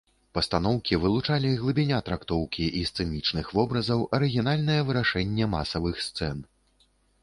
Пастаноўкі вылучалі глыбіня трактоўкі і сцэнічных вобразаў, арыгінальнае вырашэнне масавых сцэн.